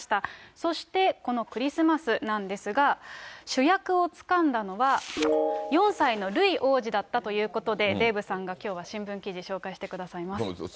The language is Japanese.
そして、このクリスマスなんですが、主役をつかんだのは４歳のルイ王子だったということで、デーブさんがきょうは新聞記事、紹介してくださいます。